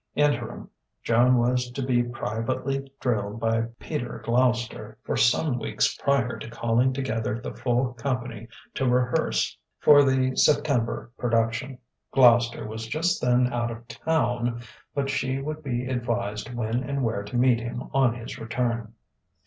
Interim, Joan was to be privately drilled by Peter Gloucester for some weeks prior to calling together the full company to rehearse for the September production. Gloucester was just then out of Town, but she would be advised when and where to meet him on his return.